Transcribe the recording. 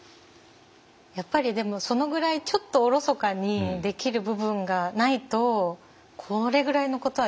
やっぱりでもそのぐらいちょっとおろそかにできる部分がないとこれぐらいのことはできない。